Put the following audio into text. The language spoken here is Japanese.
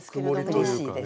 うれしいです。